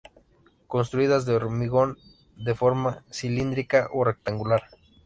Construidas de hormigón, de forma cilíndrica o rectangular.